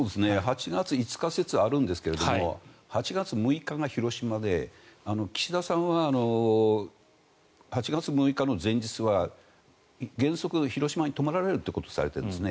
８月５日説があるんですが８月６日が広島で岸田さんは８月６日の前日は原則、広島に泊まられるということをされているんです。